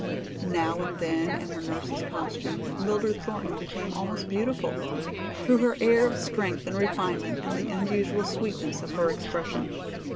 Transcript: Now and then in her nurse's costume Mildred Thornton became almost beautiful, through her air of strength and refinement and the unusual sweetness of her expression.